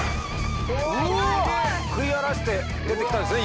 食い荒らして出てきたんですね